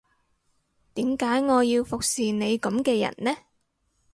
點解我要服侍你噉嘅人呢